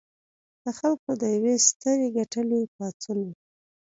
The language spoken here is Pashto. د خلکو د یوې سترې کتلې پاڅون و.